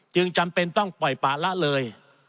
จำเป็นต้องปล่อยป่าละเลย